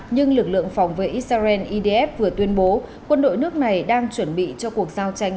nhưng lực lượng phòng vệ israel idf vừa tuyên bố quân đội nước này đang chuẩn bị cho cuộc giao tranh